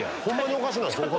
おかしないです。